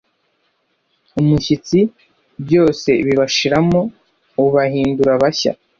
umushyitsi, byose bibashiramo, ubahindura bashya